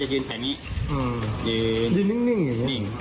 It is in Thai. ลักษณะแกยืนแกจะยืนแถวนี้